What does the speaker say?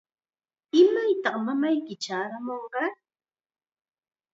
¿Imaytaq mamayki chaamurqun?